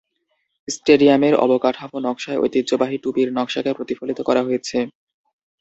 স্টেডিয়ামের অবকাঠামো নকশায় ঐতিহ্যবাহী "টুপি"র নকশাকে প্রতিফলিত করা হয়েছে।